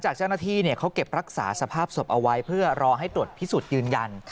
เจ้าหน้าที่เขาเก็บรักษาสภาพศพเอาไว้เพื่อรอให้ตรวจพิสูจน์ยืนยัน